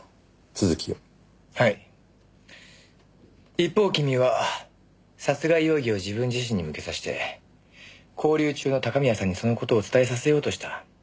一方君は殺害容疑を自分自身に向けさせて拘留中の高宮さんにその事を伝えさせようとした。